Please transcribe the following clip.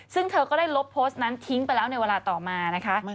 ซึ่งเธอก็ได้ลบโพสต์นั้นทิ้งไปแล้วในเวลาต่อมานะคะ